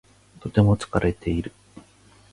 とても疲れている。